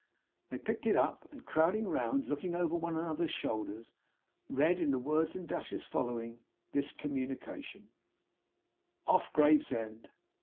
They picked it up; and crowding round, and looking over one another's shoulders, read, in the words and dashes following, this communication: 'OFF GRAVESEND.